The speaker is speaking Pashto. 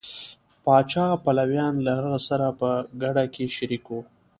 پاچا پلویان له هغه سره په ګټه کې شریک وو.